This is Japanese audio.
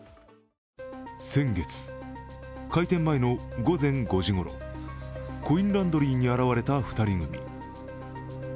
先月、開店前の午前５時ごろ、コインランドリーに現れた２人組。